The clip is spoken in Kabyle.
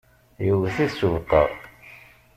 Yewwet-it s ubeqqa.